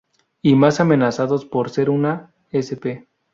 Y más amenazados por ser una sp.